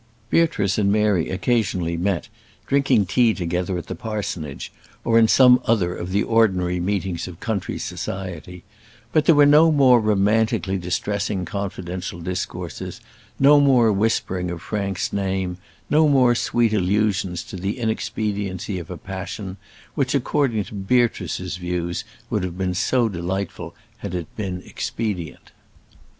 Beatrice and Mary occasionally met, drinking tea together at the parsonage, or in some other of the ordinary meetings of country society; but there were no more confidentially distressing confidential discourses, no more whispering of Frank's name, no more sweet allusions to the inexpediency of a passion, which, according to Beatrice's views, would have been so delightful had it been expedient.